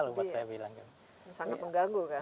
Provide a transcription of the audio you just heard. sangat mengganggu kan